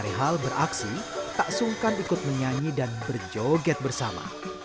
perihal beraksi tak sungkan ikut menyanyi dan berjoget bersama